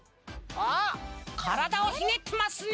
あっからだをひねってますね。